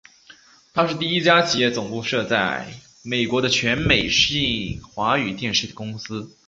它是第一家企业总部设在美国的全美性华语电视公司。